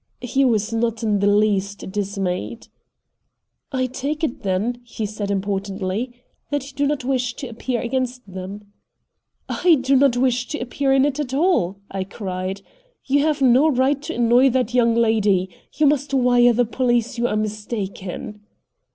He was not in the least dismayed. "I take it then," he said importantly, "that you do not wish to appear against them?" "I don't wish to appear in it at all!" I cried. "You've no right to annoy that young lady. You must wire the police you are mistaken."